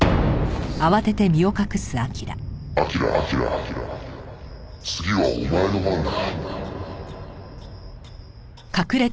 「彬次はお前の番だ」